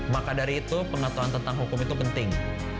maka dari itu pengetahuan tentang hukum itu penting